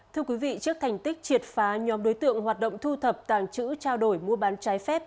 thưa quý vị trước thành tích triệt phá nhóm đối tượng hoạt động thu thập tàng chữ trao đổi mua bán trái phép